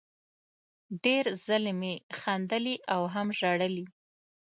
ډېر ځلې مې خندلي او هم ژړلي